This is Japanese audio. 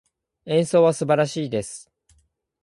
演奏は素晴らしいです。